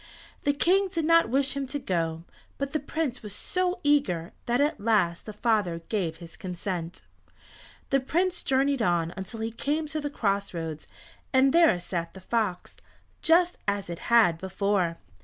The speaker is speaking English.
The King did not wish him to go, but the Prince was so eager that at last the father gave his consent. The Prince journeyed on until he came to the cross roads, and there sat the fox, just as it had before.